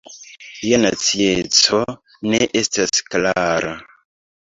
Lia nacieco ne estas klara.